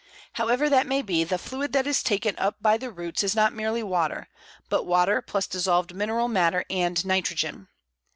However that may be, the fluid that is taken up by the roots is not merely water, but water plus dissolved mineral matter and nitrogen.